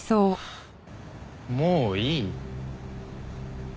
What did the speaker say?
もういい？